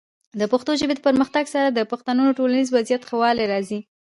د پښتو ژبې د پرمختګ سره، د پښتنو د ټولنیز وضعیت ښه والی راځي.